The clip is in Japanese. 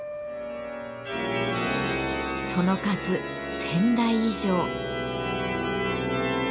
その数１，０００台以上。